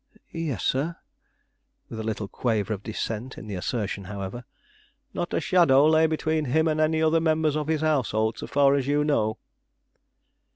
"Yes, sir," with a little quaver of dissent in the assertion, however. "Not a shadow lay between him and any other member of his household, so far as you know?"